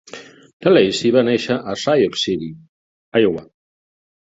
La Lacy va néixer a Sioux City, Iowa.